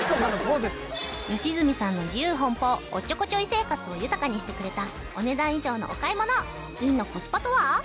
良純さんの自由奔放おっちょこちょい生活を豊かにしてくれたお値段以上のお買い物金のコスパとは？